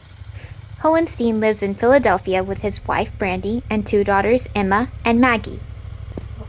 Hohenstein lives in Philadelphia with his wife Brandi and two daughters Emma and Maggie.